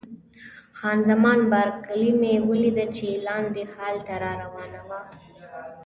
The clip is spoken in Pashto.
خان زمان بارکلي مې ولیده چې لاندې هال ته را روانه وه.